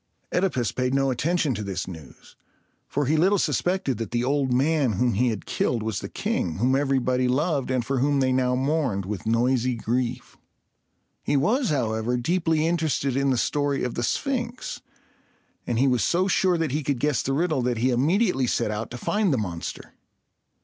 OEdipus paid no attention to this news; for he little suspected that the old man whom he had killed was the king, whom everybody loved, and for whom they now mourned with noisy grief. He was, however, deeply interested in the story of the Sphinx; and he was so sure that he could guess the riddle, that he immediately set out to find the monster.